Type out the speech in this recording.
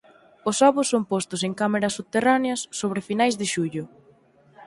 Os ovos son postos en cámaras subterráneas sobre finais de xullo.